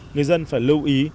người dân phải lưu ý